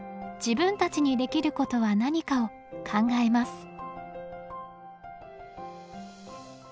自分たちにできることは何かを考えます。